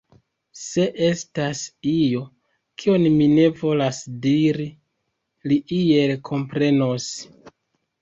Se estas io, kion mi ne volas diri, li iel komprenos.